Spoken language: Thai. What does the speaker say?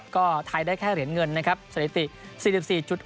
ก็ไทยได้แค่เหรียญเงินนะครับสถิติ๔๔๖